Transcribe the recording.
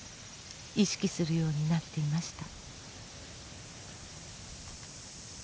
意識するようになっていました。